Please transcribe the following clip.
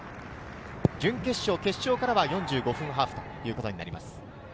準決勝、決勝からは４５分ハーフとなります。